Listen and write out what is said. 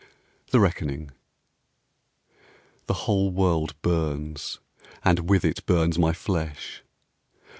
THE RECKONING The whole world burns, and with it burns my flesh.